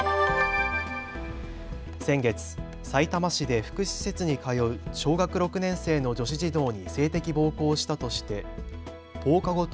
先月、さいたま市で福祉施設に通う小学６年生の女子児童に性的暴行をしたとして放課後等